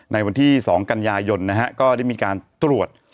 ในวันที่๒กันยายนนะฮะก็ได้มีการตรวจ